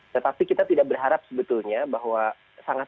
tetapi kita tidak berharap sebetulnya bahwa sangat